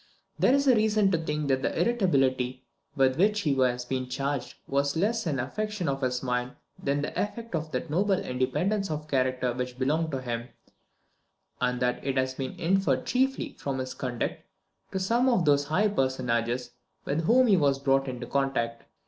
There is reason to think that the irritability with which he has been charged was less an affection of his mind than the effect of that noble independence of character which belonged to him, and that it has been inferred chiefly from his conduct to some of those high personages with whom he was brought in contact.